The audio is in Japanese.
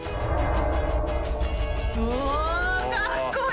おおかっこいい！